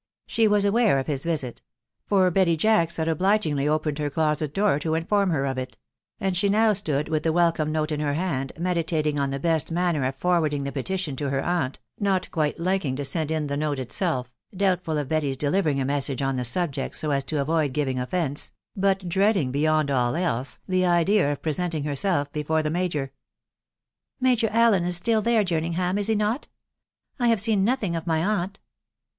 She was aware of his visit ; for Betty Jacks had obligingly opened her closet door to inform her of it ; and she now stood with the welcome note in her hand, meditating on the best manner of forwarding the petition to her aunt, not quite liking to send in the note itself, doubtful of Betty's delivering a message on the subject so as to avoid giving offence, but dreading, beyond all else, the idea of presenting herself before the major. if Major Allen is still there, Jerningham, is he not ?.... I have seen nothing of my aunt."